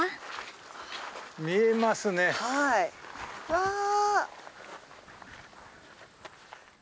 わあ！